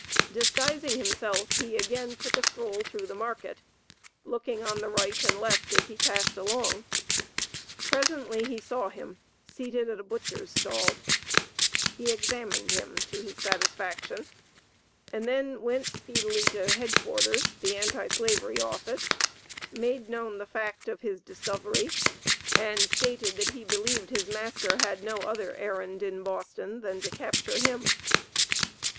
Disguising himself he again took a stroll through the market, looking on the right and left as he passed along; presently he saw him seated at a butcher's stall. He examined him to his satisfaction, and then went speedily to headquarters (the Anti Slavery Office), made known the fact of his discovery, and stated that he believed his master had no other errand to Boston than to capture him.